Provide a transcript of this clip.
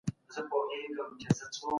موږ بايد د خلګو په منځ کي سوله راولو.